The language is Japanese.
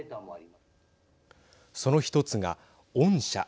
その１つが恩赦。